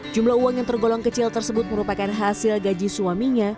jumlah uang yang tergolong kecil tersebut merupakan hasil gaji suaminya